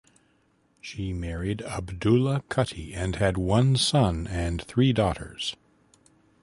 She married Abdulla Kutty and had one son and three daughters.